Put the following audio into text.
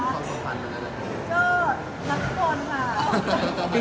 เบิร์ดรักรึเปล่า